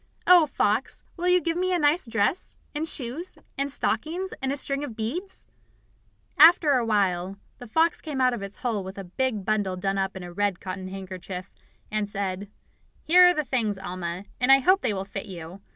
Oh, Fox, will you give me a nice dress, and shoes and stockings, and a string of beads?" After a little while the fox came out of its hole with a big bundle done up in a red cotton handkerchief, and said: "Here are the things, Alma, and I hope they will fit you.